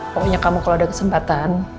pokoknya kamu kalau ada kesempatan